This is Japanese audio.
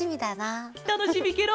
たのしみケロ！